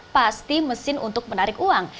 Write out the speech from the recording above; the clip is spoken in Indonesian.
pasti mesin untuk menarik uang